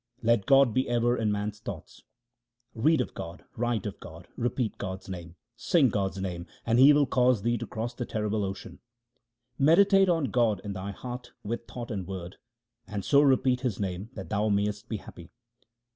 Let God be ever in man's thoughts :— Read of God, write of God, repeat God's name, sing God's name, and He will cause thee to cross the terrible ocean. Meditate on God in thy heart with thought and word, and so repeat His name that thou mayest be happy.